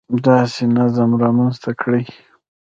داسې نظم رامنځته کړي